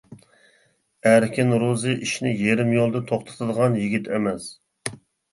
ئەركىن روزى ئىشنى يېرىم يولدا توختىتىدىغان يىگىت ئەمەس.